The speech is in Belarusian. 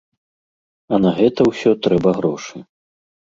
А на гэта ўсё трэба грошы.